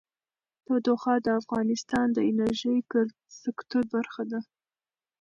تودوخه د افغانستان د انرژۍ سکتور برخه ده.